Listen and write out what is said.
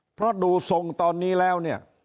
เพราะดูทรงตอนนี้แล้วเนี่ย